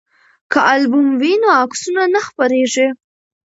که البوم وي نو عکسونه نه خپریږي.